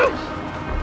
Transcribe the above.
nggak ada apa apa